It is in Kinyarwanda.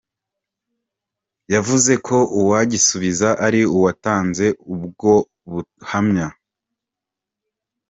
Yavuze ko uwagisubiza ari uwatanze ubwo buhamya.